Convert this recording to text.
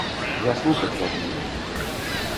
Я слухаць вас буду.